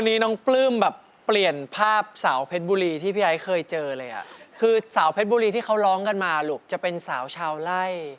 วันนี้น้องปลื้มแบบเปลี่ยนภาพสาวเพชรบุรีที่พี่ไอ้เคยเจอเลยอ่ะคือสาวเพชรบุรีที่เขาร้องกันมาลูกจะเป็นสาวชาวไล่